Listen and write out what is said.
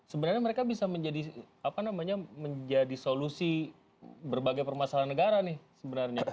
sebenarnya mereka bisa menjadi apa namanya menjadi solusi berbagai permasalahan negara nih sebenarnya